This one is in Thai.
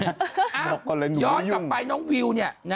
ย้อนกลับไปน้องวิว